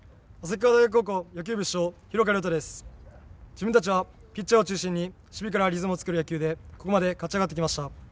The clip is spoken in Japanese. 自分たちはピッチャーを中心に守備からリズムを作る野球でここまで勝ち上がってきました。